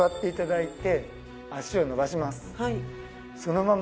はい。